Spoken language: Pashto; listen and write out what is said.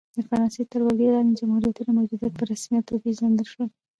د فرانسې تر ولکې لاندې جمهوریتونو موجودیت په رسمیت وپېژندل شو.